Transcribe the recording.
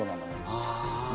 ああ。